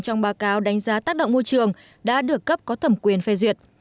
trong báo cáo đánh giá tác động môi trường đã được cấp có thẩm quyền phê duyệt